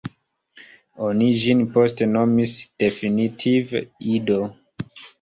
Oni ĝin poste nomis definitive "Ido".